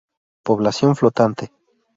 Población flotante.